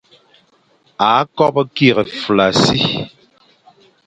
A kobo kig fulassi.